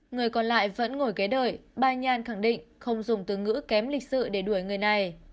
người còn lại vẫn ngồi kế đợi bà nhàn khẳng định không dùng từ ngữ kém lịch sự để đuổi người này